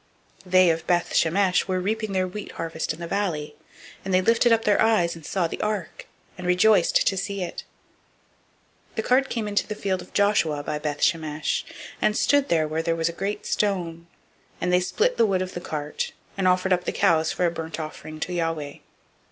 006:013 They of Beth Shemesh were reaping their wheat harvest in the valley; and they lifted up their eyes, and saw the ark, and rejoiced to see it. 006:014 The cart came into the field of Joshua of Beth Shemesh, and stood there, where there was a great stone: and they split the wood of the cart, and offered up the cows for a burnt offering to Yahweh.